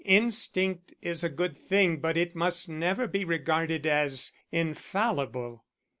Instinct is a good thing but it must never be regarded as infallible.